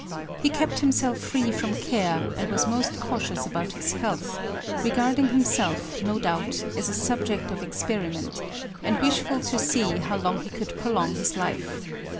He kept himself free from care, and was most cautious about his health, regarding himself, no doubt, as a subject of experiment, and wishful to see how long he could prolong his life.